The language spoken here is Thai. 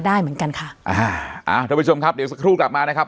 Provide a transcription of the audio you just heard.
เหมือนกันค่ะอ่าอ่าท่านผู้ชมครับเดี๋ยวสักครู่กลับมานะครับ